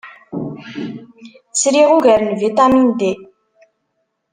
Sriɣ ugar n vitamin D.